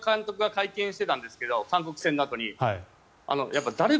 栗山監督が会見していたんですけど韓国戦のあとに。